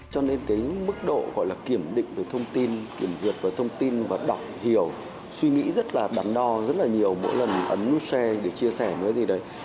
cho nên cái mức độ gọi là kiểm định về thông tin kiểm duyệt về thông tin và đọc hiểu suy nghĩ rất là đắn đo rất là nhiều mỗi lần ấn xe để chia sẻ với gì đấy